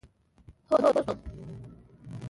هو، زه پوه شوم،